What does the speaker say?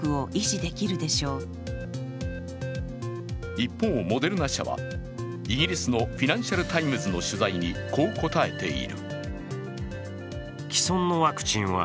一方、モデルナ社はイギリスの「フィナンシャル・タイムズ」の取材にこう答えている。